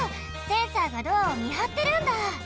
センサーがドアをみはってるんだ！